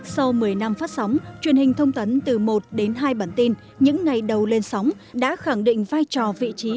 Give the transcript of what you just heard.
sau một mươi năm phát sóng truyền hình thông tấn từ một đến hai bản tin những ngày đầu lên sóng đã khẳng định vai trò vị trí